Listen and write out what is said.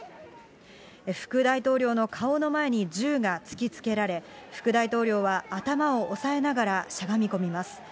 副大統領の顔の前に銃が突きつけられ、副大統領は頭を押さえながら、しゃがみ込みます。